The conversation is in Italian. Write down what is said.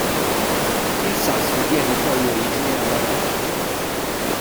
Il sasso diede poi origine alla roccia.